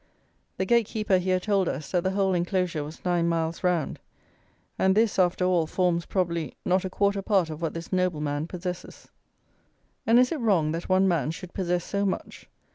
The gate keeper here told us, that the whole enclosure was nine miles round; and this, after all, forms, probably, not a quarter part of what this nobleman possesses. And is it wrong that one man should possess so much?